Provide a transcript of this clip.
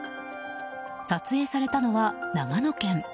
撮影されたのは長野県。